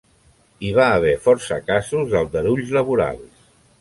Hi va haver força casos d'aldarulls laborals.